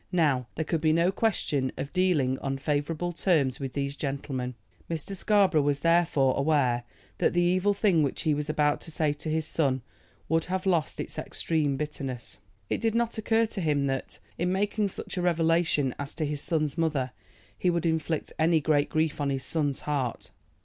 Now, there could be no question of dealing on favorable terms with these gentlemen. Mr. Scarborough was, therefore, aware that the evil thing which he was about to say to his son would have lost its extreme bitterness. It did not occur to him that, in making such a revelation as to his son's mother he would inflict any great grief on his son's heart.